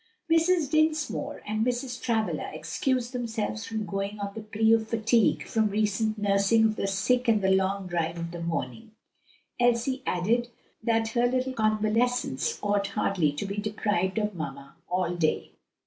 Mrs. Dinsmore and Mrs. Travilla excused themselves from going on the plea of fatigue from recent nursing of the sick and the long drive of the morning, Elsie adding that her little convalescents ought hardly to be deprived of mamma all day.